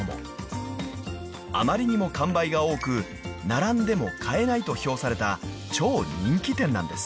［あまりにも完売が多く並んでも買えないと評された超人気店なんです］